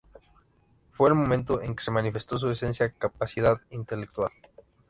Fue el momento en que se manifestó su especial capacidad intelectual.